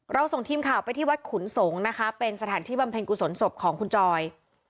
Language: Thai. ส่งทีมข่าวไปที่วัดขุนสงฆ์นะคะเป็นสถานที่บำเพ็ญกุศลศพของคุณจอย